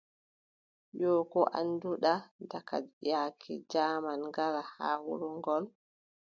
Yoo, koo annduɗa daka yaake jaaman ngara haa wuro ngol ?